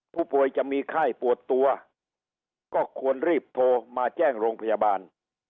ผู้ป่วยจะมีไข้ปวดตัวก็ควรรีบโทรมาแจ้งโรงพยาบาล